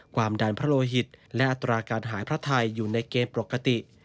ความดันพระโลหิตและอัตราการหายพระไทยอยู่ในเกณฑ์ปกติ